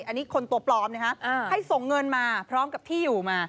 อันนี้คนตัวปลอมนะฮะให้ส่งเงินมาพร้อมกับที่อยู่มา